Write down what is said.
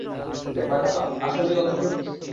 ব্যাপারটা তো আসলেই অদ্ভুত!